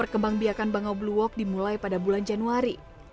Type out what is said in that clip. kebijakan bangau blue walk dimulai pada bulan januari